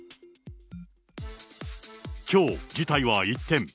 きょう、事態は一転。